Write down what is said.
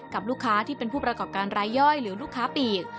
กับลูกค้าที่เป็นผู้ประกอบการรายย่อยหรือลูกค้าปีก